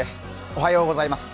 おはようございます。